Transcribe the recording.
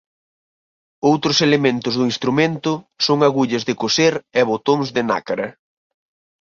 Outros elementos do instrumento son agullas de coser e botóns de nácara.